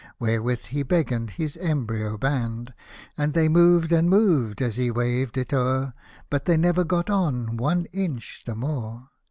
Wherewith he beckoned his embryo band, And they moved and moved, as he waved it o'er, But they never got on one inch the more.